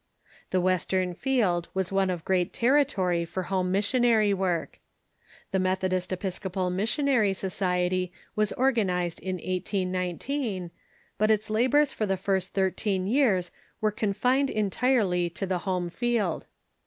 The Western field was one great territory for home missionary Avork. The Methodist Episco pal Missionary Society was organized in 1819, but its labors for the first thirteen years were confined entirely to the home field.